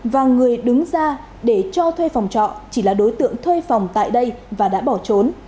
và người đứng ra để cho thuê phòng trọ chỉ là đối tượng thuê phòng tại đây và đã bỏ trốn